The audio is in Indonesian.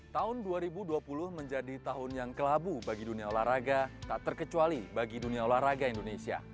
tahun dua ribu dua puluh menjadi tahun yang kelabu bagi dunia olahraga tak terkecuali bagi dunia olahraga indonesia